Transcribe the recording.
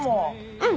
うん。